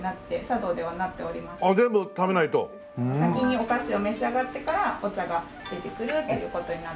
先にお菓子を召し上がってからお茶が出てくるという事になっております。